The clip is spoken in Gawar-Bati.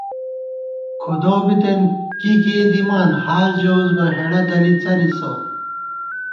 کھُدَؤ بِتېن کی کېئی دِمان، حال ژَوُس بہ ہېڑہ دَلی څَلِسہ